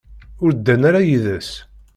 Ur ddan ara yid-s.